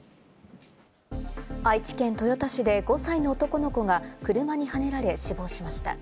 愛知県豊田市で５歳の男の子が車にはねられ死亡しました。